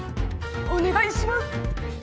お願いします！